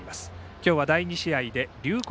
今日は第２試合で龍谷